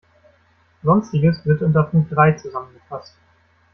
Sonstiges wird unter Punkt drei zusammengefasst.